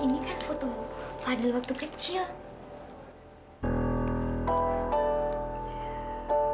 ini kan foto ada waktu kecil